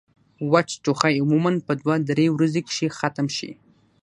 وچ ټوخی عموماً پۀ دوه درې ورځې کښې ختم شي